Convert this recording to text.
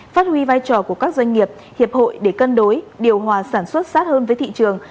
phát huy vai trò của các doanh nghiệp hiệp hội để cân đối điều hòa sản xuất sát hơn với thị trường